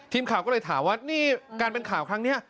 ทีมข่าวก็เลยถามว่านี่การเป็นข่าวครั้งนี้